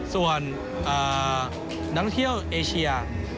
ส่วนนักเที่ยวเอเชีย